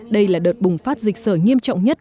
đây là đợt bùng phát dịch sởi nghiêm trọng nhất